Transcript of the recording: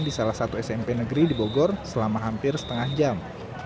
di salah satu smp negeri di bogor selama hampir setengah jam